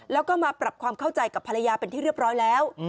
แล้วก็มาปรับความเข้าใจกับภรรยาเป็นที่เรียบร้อยแล้ว